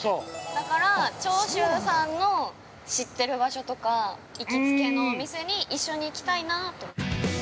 ◆だから、長州さんの知ってる場所とか行きつけのお店に一緒に行きたいなぁと。